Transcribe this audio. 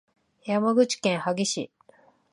山口県萩市